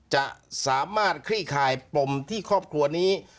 จะสามารถคลี่คายปมที่ครอบครัวนี้